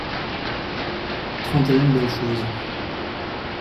trente et une belles choses.